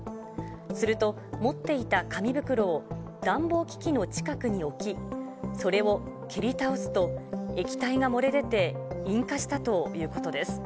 すると、持っていた紙袋を暖房機器の近くに置き、それを蹴り倒すと液体が漏れ出て引火したということです。